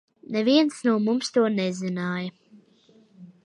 Neviens no mums to nezināja.